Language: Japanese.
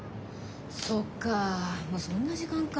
そっかもうそんな時間か。